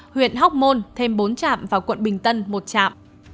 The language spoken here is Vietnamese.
huyện hóc môn thêm bốn trạm và quận bình tân một trạm